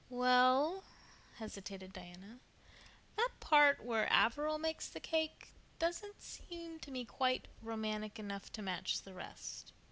"Well," hesitated Diana, "that part where Averil makes the cake doesn't seem to me quite romantic enough to match the rest.